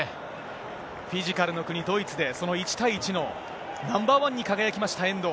フィジカルの国、ドイツで、その１対１のナンバーワンに輝きました、遠藤。